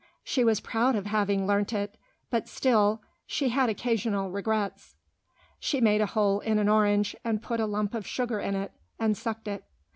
She was proud of having learnt it; but still, she had occasional regrets. She made a hole in an orange, and put a lump of sugar in it and sucked it.